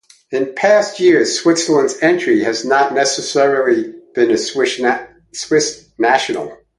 In past years, Switzerland's entry has not necessarily been a Swiss national.